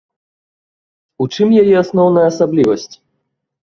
У чым яе асноўная асаблівасць?